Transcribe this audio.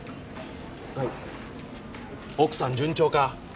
はい奥さん順調か？